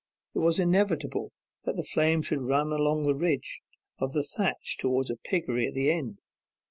It was inevitable that the flame should run along the ridge of the thatch towards a piggery at the end.